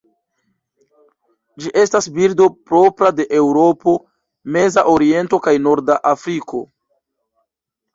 Ĝi estas birdo propra de Eŭropo, Meza Oriento kaj Norda Afriko.